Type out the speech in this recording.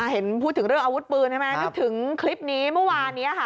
เห็นพูดถึงเรื่องอาวุธปืนใช่ไหมนึกถึงคลิปนี้เมื่อวานนี้ค่ะ